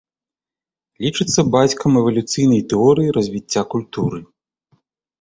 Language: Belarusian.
Лічыцца бацькам эвалюцыйнай тэорыі развіцця культуры.